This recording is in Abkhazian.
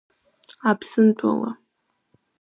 Аԥсынтәыла!